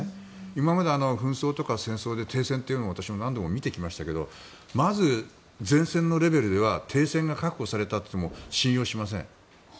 今まで紛争とかで停戦というのを私は今まで見てきましたけどまず前線のレベルでは停戦が確保されたといっても信用しません。